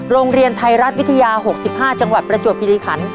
โรงเรียนไทยรัฐวิทยา๖๕จังหวัดประจวบคิริขัน